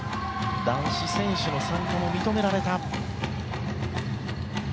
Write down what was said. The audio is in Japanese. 男子選手の参加も認められた。